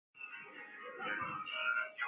栖兰远环蚓为巨蚓科远环蚓属下的一个种。